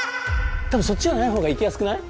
多分そっちじゃない方が行きやすくない？